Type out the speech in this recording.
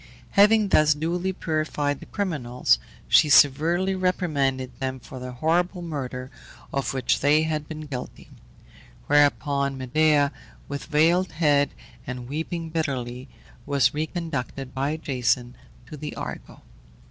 Having thus duly purified the criminals, she severely reprimanded them for the horrible murder of which they had been guilty; whereupon Medea, with veiled head, and weeping bitterly, was reconducted by Jason to the Argo.